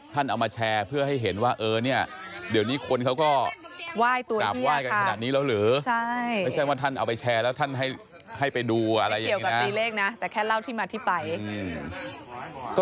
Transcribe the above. ท่านเอามาแชร์เพื่อให้เห็นว่าเออเนี่ยเดี๋ยวนี้คนเขาก็